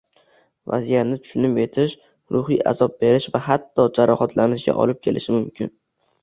vaziyatni tushunib yetish ruhiy azob berishi va hatto jarohatlanishga olib kelishi mumkin